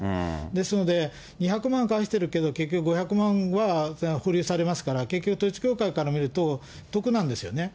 ですので、２００万返してるけど、結局５００万は保留されるわけですから、結局統一教会から見ると得なんですよね。